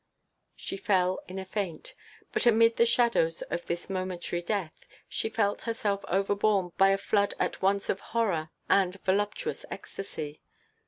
She fell in a faint. But, amid the shadows of this momentary death, she felt herself overborne by a flood at once of horror and voluptuous ecstasy.